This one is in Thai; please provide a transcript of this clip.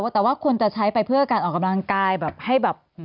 แต่ว่าควรจะใช้ไปเพื่อการออกกำลังกายแบบให้แบบ